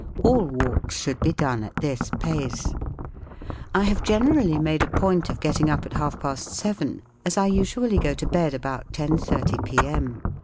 All walks should be done at this pace* I have generally made a point of get' ting up at half'past seven, as I usually go to bed about ten thirty p/m.